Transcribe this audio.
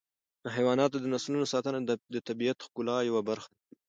د حیواناتو د نسلونو ساتنه د طبیعت د ښکلا یوه برخه ده.